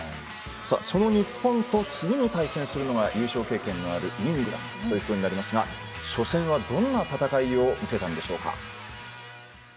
さあその日本と次に対戦するのが優勝経験のあるイングランドということになりますが初戦はどんな戦いを見せたんでしょうか？